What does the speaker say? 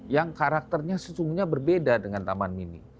yang karakternya sesungguhnya berbeda dengan taman mini